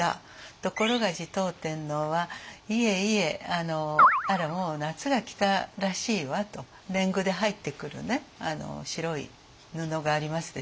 ところが持統天皇は「いえいえもう夏が来たらしいわ」と。年貢で入ってくる白い布がありますでしょ。